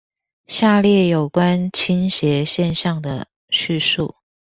下列有關傾斜現象的敘述